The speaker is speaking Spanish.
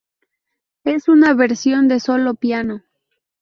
Es una versión de solo piano.